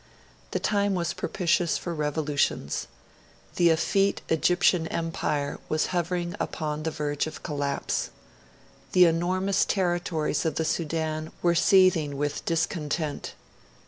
The time was propitious for revolutions. The effete Egyptian Empire was hovering upon the verge of collapse. The enormous territories of the Sudan were seething with discontent.